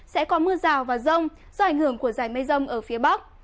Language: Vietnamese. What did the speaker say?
sẽ có mưa rào và rông do ảnh hưởng của giải mây rông ở phía bắc